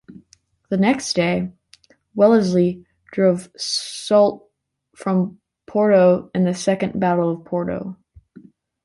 The next day, Wellesley drove Soult from Porto in the Second Battle of Porto.